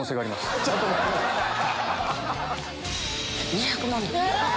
２００万。